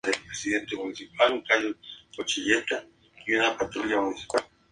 Acusó la masonería de conspiración en la Revolución francesa.